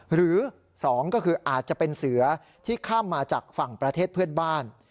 หรือ๒ก็คืออาจจะเป็นเสือที่ข้ามมาจากฝั่งประเทศเพื่อนบ้าน